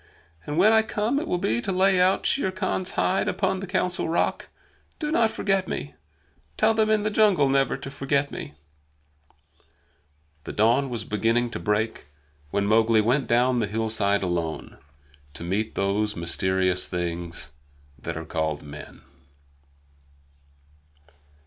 "And when I come it will be to lay out Shere Khan's hide upon the Council Rock. Do not forget me! Tell them in the jungle never to forget me!" The dawn was beginning to break when Mowgli went down the hillside alone, to meet those mysterious things that are called men.